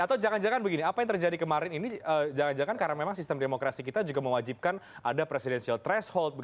atau jangan jangan begini apa yang terjadi kemarin ini jangan jangan karena memang sistem demokrasi kita juga mewajibkan ada presidensial threshold